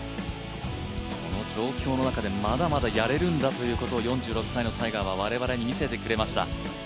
この状況の中でまだまだやれるんだということを４６歳のタイガーは我々に見せてくれました。